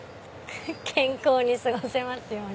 健康に過ごせますように。